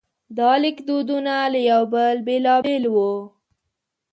دا لیکدودونه له یو بل بېلابېل وو.